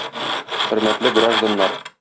Хөрмәтле гражданнар!